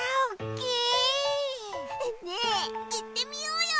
ねえいってみようよ！